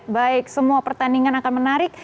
baik semua pertandingan akan menarik